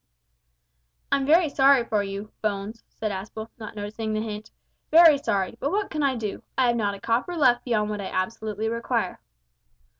"I'm very sorry for you, Bones," said Aspel, not noticing the hint, "very sorry, but what can I do? I have not a copper left beyond what I absolutely require."